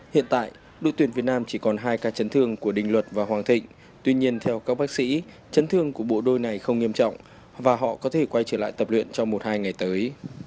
hiện tại đội tuyển việt nam chỉ còn hai ca chấn thương của đình luật và hoàng thịnh tuy nhiên theo các bác sĩ chấn thương của bộ đôi này không nghiêm trọng và họ có thể quay trở lại tập luyện trong một hai ngày tới